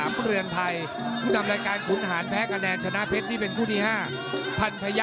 พี่ฟ้าพี่ฟุนทรัพย์